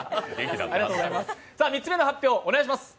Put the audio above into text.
３つ目の発表、お願いします。